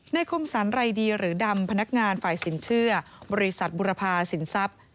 คมสรรไรดีหรือดำพนักงานฝ่ายสินเชื่อบริษัทบุรพาสินทรัพย์